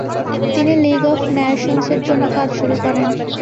তিনি League of নেশনস-এর জন্য কাজ শুরু করেন।